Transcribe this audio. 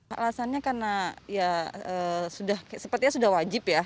alasannya karena ya sepertinya sudah wajib ya